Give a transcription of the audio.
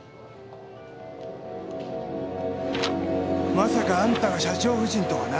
まさかあんたが社長夫人とはな。